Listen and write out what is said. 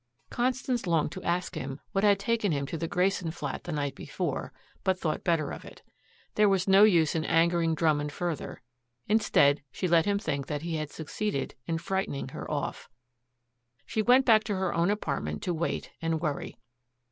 Constance longed to ask him what had taken him to the Grayson flat the night before, but thought better of it. There was no use in angering Drummond further. Instead, she let him think that he had succeeded in frightening her off. She went back to her own apartment to wait and worry.